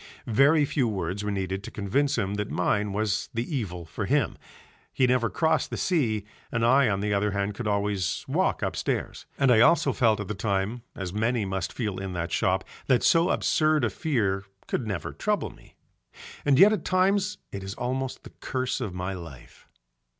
Very few words were needed to convince him that mine was the evil for him, he never crossed the sea, and I on the other hand could always walk upstairs, and I also felt at the time, as many must feel in that shop, that so absurd a fear could never trouble me. And yet at times it is almost the curse of my life.